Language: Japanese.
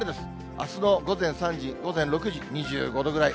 あすの午前３時、午前６時、２５度ぐらい。